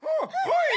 はい！